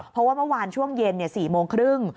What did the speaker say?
เพราะว่าเมื่อวานช่วงเย็น๔โมงครึ่ง